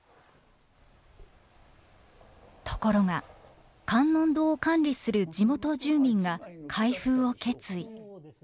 ところが観音堂を管理する地元住民が開封を決意。